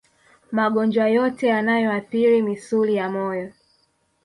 Magonjwa yote yanayoathiri misuli ya moyo